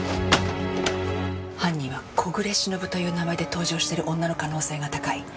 犯人はコグレシノブという名前で搭乗してる女の可能性が高い。